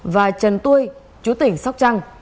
và trần tui chủ tỉnh sóc trăng